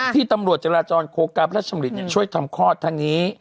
ที่ตำรวจจราจรโคกรรมพระชำริช่วยทำคลอดทางนี้